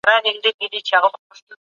د ماښام ډوډۍ حلاله